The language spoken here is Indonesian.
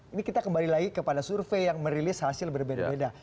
ini kita kembali lagi kepada survei yang merilis hasil berbeda beda